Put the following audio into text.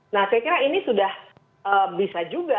nah saya kira ini sudah bisa juga